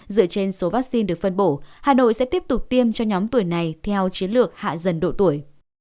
dựa trên số vaccine được phân bổ hà nội sẽ tiếp tục tiêm cho nhóm tuổi này theo chiến lược hạ dần độ tuổi